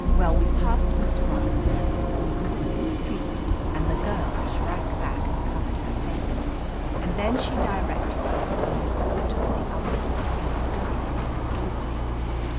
Well, we passed Mr. Robertson at the comer of the next street, and the girl shrank back and covered her face. And then she directed 280 OF LETITIA CARBERRY us, and we overtook the other one as he was going into his doorway.